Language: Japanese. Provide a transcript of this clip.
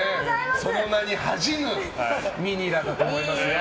その名に恥じぬミニラだと思いますよ。